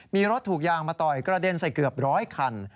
มีรถถูกยางมาต่อยกระเด็นใส่เกือบร้อยคัน